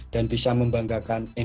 dan bisa membanggakan teman teman